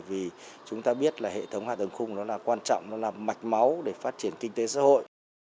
vì chúng ta biết là hệ thống hạ tầng khung nó là quan trọng nó là mạch máu để phát triển kinh tế xã hội